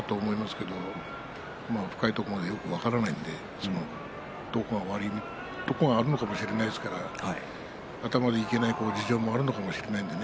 まあ深いところまではよく分からないんでどこか悪いところがあるかもしれませんが頭でいけない事情もあるかもしれないんでね